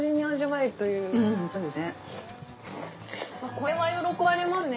これは喜ばれますね。